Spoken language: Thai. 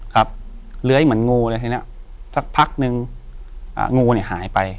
ครับเลื้อยเหมือนงูเลยทีเนี้ยสักพักหนึ่งอ่างูเนี้ยหายไป